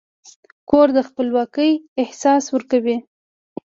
کور د خپلواکۍ احساس ورکوي.